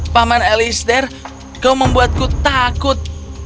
paman elisher kau membuatku takut